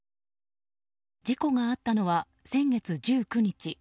事故があったのは先月１９日。